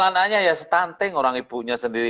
anaknya ya stunting orang ibunya sendiri